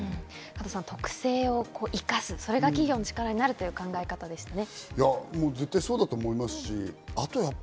特性を生かす、それが企業の力になるという考え方でしたね。